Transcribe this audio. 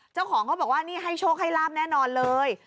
เจ้าของเขาบอกว่านี่ให้โชคให้ลาบแน่นอนเลย